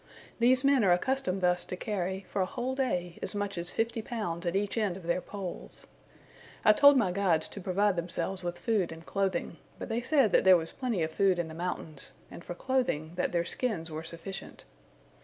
These men are accustomed thus to carry, for a whole day, as much as fifty pounds at each end of their poles. I told my guides to provide themselves with food and clothing; but they said that there was plenty of food in the mountains, and for clothing, that their skins were sufficient.